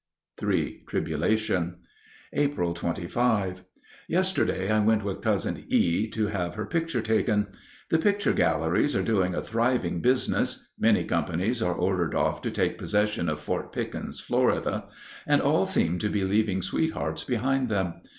III TRIBULATION April 25. Yesterday I went with Cousin E. to have her picture taken. The picture galleries are doing a thriving business. Many companies are ordered off to take possession of Fort Pickens (Florida), and all seem to be leaving sweethearts behind them.